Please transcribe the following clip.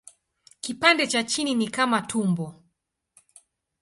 Kipande cha chini ni kama tumbo.